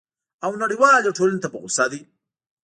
او نړیوالي ټولني ته په غوصه دی!